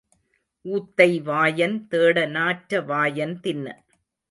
ஊத்தை வாயன் தேட நாற்ற வாயன் தின்ன.